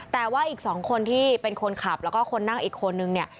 แต่ว่าอีก๒คนที่เป็นคนขับแล้วก็คนนั่งอีกคนนึงเนี่ย